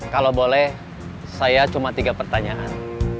kalau boleh saya cuma tiga pertanyaan